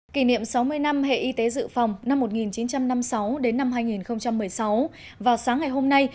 kỷ niệm sáu mươi năm hệ y tế dự phòng năm một nghìn chín trăm năm mươi sáu đến năm hai nghìn một mươi sáu vào sáng ngày hôm nay